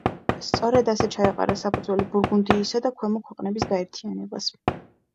სწორედ ასე ჩაეყარა საფუძველი ბურგუნდიისა და ქვემო ქვეყნების გაერთიანებას.